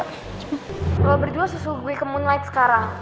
kalau berdua susu gue ke moonlight sekarang